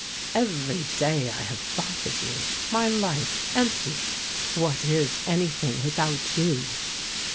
"Every day I have thought of you. My life — empty! What is anything without you?"